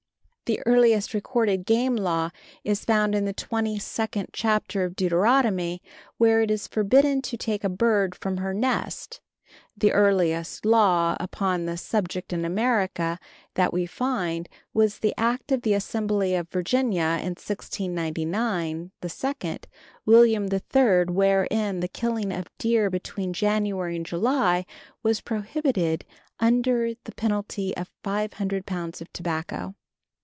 The earliest recorded game law is found in the twenty second chapter of Deuteronomy, where it is forbidden to take a bird from her nest. The earliest law upon this subject in America that we find was the act of the Assembly of Virginia of 1699, II. William III., wherein the killing of deer between January and July was prohibited under a penalty of 500 pounds of tobacco.